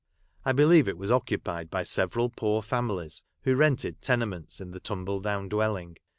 I believe it was occupied by severa poor families who rented tenements in the tumble down dwelling.